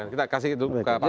kita kasih dulu ke pak pasal ya